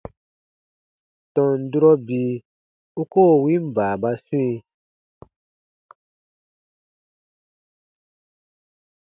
Tɔn durɔ bii u koo win baababa swĩ.